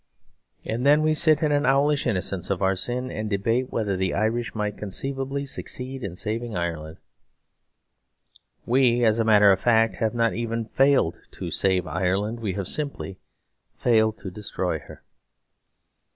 And then we sit in an owlish innocence of our sin, and debate whether the Irish might conceivably succeed in saving Ireland. We, as a matter of fact, have not even failed to save Ireland. We have simply failed to destroy her.